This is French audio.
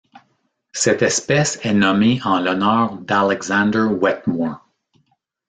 Cette espèce est nommée en l'honneur d'Alexander Wetmore.